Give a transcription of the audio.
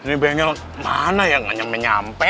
ini bengkel mana ya nggak nyampe nyampe